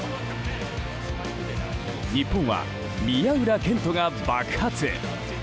日本は宮浦健人が爆発。